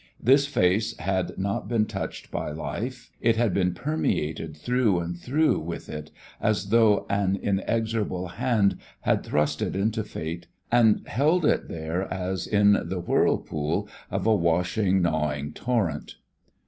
This face had not been touched by life, it had been permeated through and through with it as though an inexorable hand had thrust it into fate and held it there as in the whirlpool of a washing, gnawing torrent.